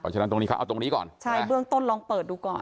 ฉะนั้นตรงนี้เขาเอาตรงนี้ก่อนใช่เบื้องต้นลองเปิดดูก่อน